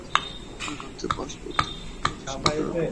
বললেন, রাতে বাস ভর্তি করে নারী শ্রমিকদের বাড্ডা এলাকায় নিয়ে আসা হয়েছে।